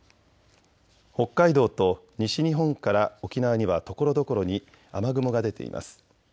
北海道と西日本から沖縄にはところどころに雨雲が出ています。